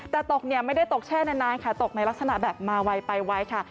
แต่ตกเนี่ยไม่ได้ตกแช่นานค่ะตกในลักษณะแบบมาไวไปไวค่ะ